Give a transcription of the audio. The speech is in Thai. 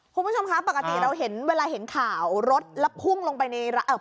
คุณผู้ชมคะปกติเราเห็นเวลาเห็นข่าวรถแล้วพุ่งลงไปในเอ่อ